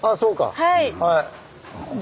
はい。